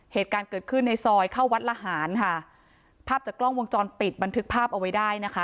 เหตุการณ์เกิดขึ้นในซอยเข้าวัดละหารค่ะภาพจากกล้องวงจรปิดบันทึกภาพเอาไว้ได้นะคะ